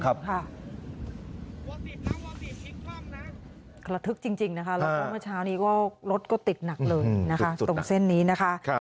ระทึกจริงนะคะแล้วก็เมื่อเช้านี้ก็รถก็ติดหนักเลยนะคะตรงเส้นนี้นะคะ